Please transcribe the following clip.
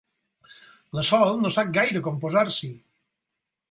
La Sol no sap gaire com posar-s'hi.